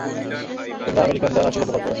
তোমরা আমেরিকানরা আসলে বোকাচোদা।